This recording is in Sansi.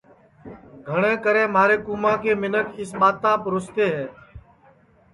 گھٹؔے کرے مہاری کُوماں کے منکھ اِس ٻاتاپ رُستے ہے